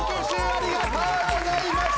ありがとうございます。